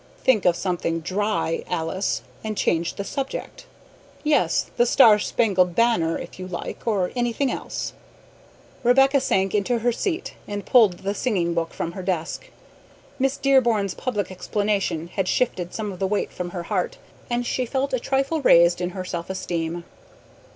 "Think of something dry, Alice, and change the subject. Yes, The Star Spangled Banner if you like, or anything else." Rebecca sank into her seat and pulled the singing book from her desk. Miss Dearborn's public explanation had shifted some of the weight from her heart, and she felt a trifle raised in her self esteem.